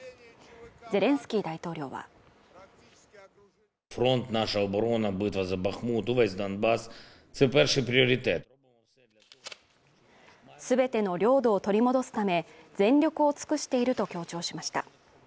ゼレンスキー大統領は全ての領土を取り戻すため、全力を尽くしていると強調しました。